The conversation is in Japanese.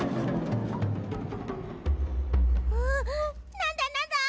なんだなんだ